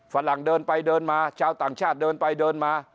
ฝรั่งเดินไปเดินมาชาวต่างชาติเดินไปเดินมา